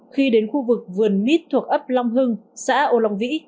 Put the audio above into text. khi đến khu vực vườn mít thuộc ấp long hưng xã âu long vĩ